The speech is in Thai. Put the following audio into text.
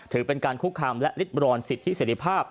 ถือเป็นการคุกคำและฤทธิบรรณสิทธิ์ที่เสียดิภาพ